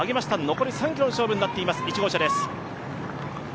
残り３ｋｍの勝負になっています。